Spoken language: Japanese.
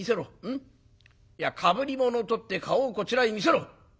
ん？いやかぶり物を取って顔をこちらへ見せろ！